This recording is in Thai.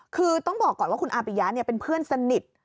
คือต้องบอกก่อนว่าคุณอาปิยะเป็นเพื่อนสนิท